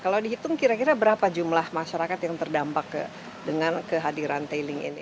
kalau dihitung kira kira berapa jumlah masyarakat yang terdampak dengan kehadiran tailing ini